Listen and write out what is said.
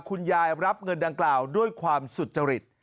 รับเงินดังกล่าวด้วยความสุจริต